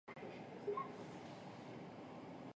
同治十年六月补授内大臣。